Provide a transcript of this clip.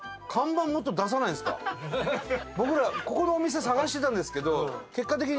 僕らここのお店探してたんですけど結果的に。